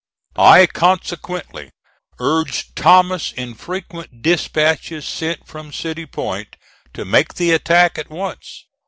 I consequently urged Thomas in frequent dispatches sent from City Point(*41) to make the attack at once.